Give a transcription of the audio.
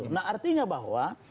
nah artinya bahwa